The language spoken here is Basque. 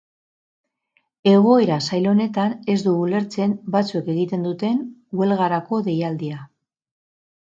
Egoera zail honetan ez du ulertzen batzuek egiten duten huelgarako deialdia.